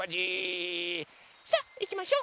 さあいきましょ！